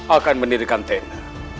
akan menirikan tena